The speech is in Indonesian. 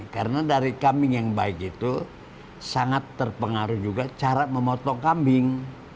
karena dari kambing yang baik itu sangat terpengaruh juga cara memotong kambing